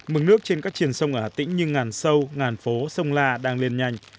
mừng nước trên các triền sông ở hà tĩnh như ngàn sâu ngàn phố sông la đang lên nhanh